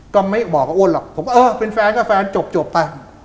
ก็ไม่บอกกับอ้วนหรอกผมก็เออเป็นแฟนก็แฟนจบไป